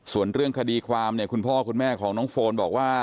ส่วนเรื่องคดีความเนี่ยคุณพ่อคุณแม่ของน้องโฟนบอกว่า